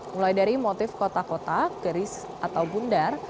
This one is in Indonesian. mulai dari motif kotak kotak keris atau bundar